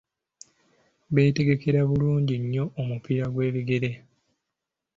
Beetegekera bulungi nnyo omupiira gw'ebigere.